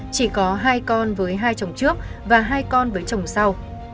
chỉ có hai con với hai chồng trước và hai con với chồng sau